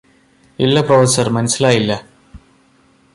ഇല്ല പ്രൊഫസർ മനസ്സിലായില്ല